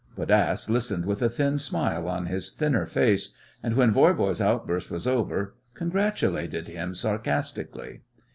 Bodasse listened with a thin smile on his thinner face, and when Voirbo's outburst was over congratulated him sarcastically.